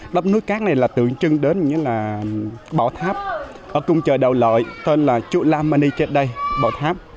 đắp núi cát này là tượng trưng đến như là bỏ tháp ở cung trời đầu lợi tên là chúa lam mani trên đây bỏ tháp